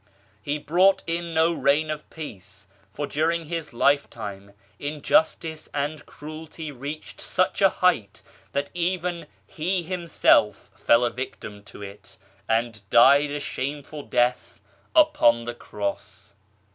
He brought in no reign of Peace, for during His lifetime injustice and cruelty reached such a height that even He Himself fell a victim to it, and died a shameful death upon the Cross.